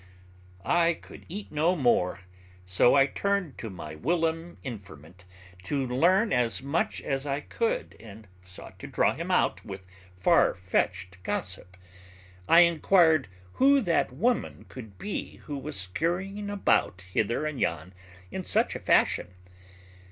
I could eat no more, so I turned to my whilom informant to learn as much as I could and sought to draw him out with far fetched gossip. I inquired who that woman could be who was scurrying about hither and yon in such a fashion.